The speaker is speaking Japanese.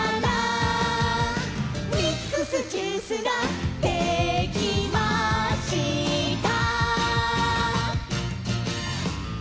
「ミックスジュースができました」